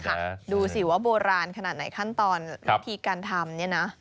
ดูสิว่าโบราณขนาดไหนขั้นตอนวิธีการทำเนี่ยนะ